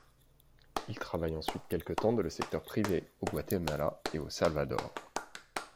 Il travaille ensuite quelque temps dans le secteur privé au Guatemala et au Salvador.